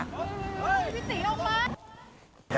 เฮ้ยพี่สิออกบั๊ย